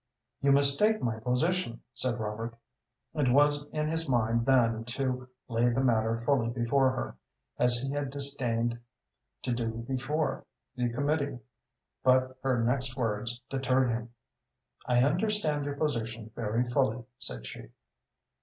"You mistake my position," said Robert. It was in his mind then to lay the matter fully before her, as he had disdained to do before the committee, but her next words deterred him. "I understand your position very fully," said she.